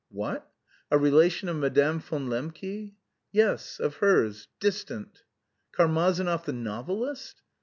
"What? A relation of Madame von Lembke?" "Yes, of hers. Distant." "Karmazinov, the novelist?"